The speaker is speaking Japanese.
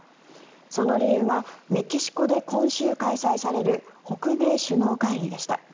その理由はメキシコで今週開催される北米首脳会議でした。